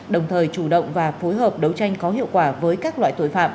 đồng thời chủ động và phối hợp đấu tranh có hiệu quả với các loại tội phạm